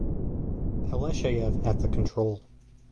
Alasheyev at the control.